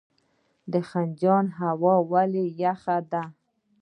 خنجان هوا ولې یخه ده؟